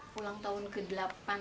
pulang tahun ke delapan